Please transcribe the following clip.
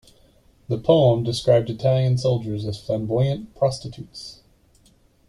The poem described Italian soldiers as flamboyant prostitutes.